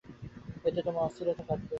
এতে তোমার অস্থিরতা কাটবে।